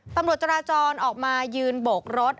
ตำรวจจราจรออกมายืนโบกรถ